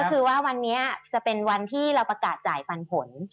ก็คือว่าวันนี้จะเป็นวันที่เราประกาศจ่ายปันผล